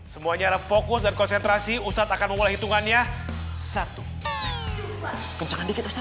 semua nyara fokus dan konsentrasi ustadz akan memulai hitungannya satu kencang dikit dua